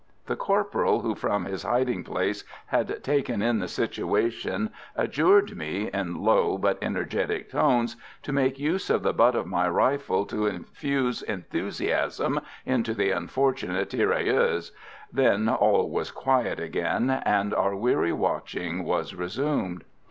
The corporal, who from his hiding place had taken in the situation, adjured me, in low but energetic tones, to make use of the butt of my rifle to infuse enthusiasm into the unfortunate tirailleurs. Then all was quiet again, and our weary watching was resumed.